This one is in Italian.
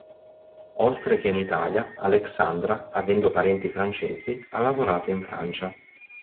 Oltre che in Italia, Alexandra, avendo parenti francesi, ha lavorato in Francia.